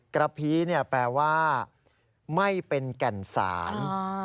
กระพีแปลว่าไม่เป็นแก่นสาร